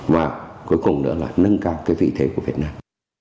và cuối cùng nữa là nâng cao cái vị thế của việt nam